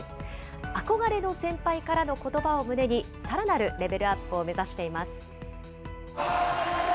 憧れの先輩からのことばを胸に、さらなるレベルアップを目指しています。